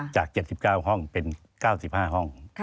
จาก๗๙ห้องเป็น๙๕ห้อง